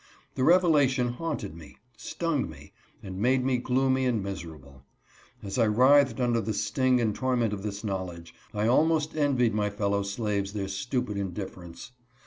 The revelation haunted me, stung me, and made me gloomy aSH" miser able. As I writhed under the sting and torment of this knowledge I almost envied my fellow slaves their stupid indifference.